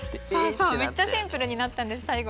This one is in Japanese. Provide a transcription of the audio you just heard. そうそうめっちゃシンプルになったんですさいご。